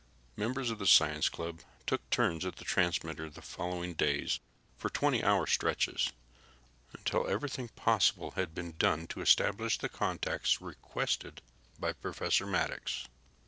Members of the science club took turns at the transmitter the following days for 20 hour stretches, until everything possible had been done to establish the contacts requested by Professor Maddox.